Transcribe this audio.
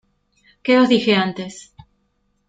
¿ Qué os dije antes?